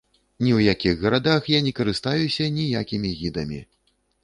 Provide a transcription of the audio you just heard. Ні ў якіх гарадах я не карыстаюся ніякімі гідамі.